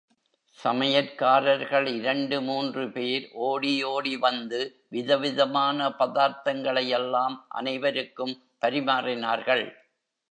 சமையற்காரர்கள் இரண்டு மூன்று பேர் ஓடி ஓடி வந்து விதவிதமான பதார்த்தங்களையெல்லாம் அனைவருக்கும் பரிமாறினார்கள்.